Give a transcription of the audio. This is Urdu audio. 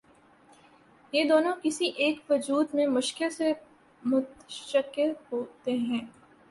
یہ دونوں کسی ایک وجود میں مشکل سے متشکل ہوتے ہیں۔